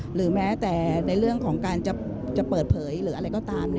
หรือแม้แต่ในเรื่องของการจะเปิดเผยหรืออะไรก็ตาม